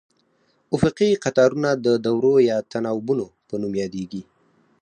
افقي قطارونه د دورو یا تناوبونو په نوم یادیږي.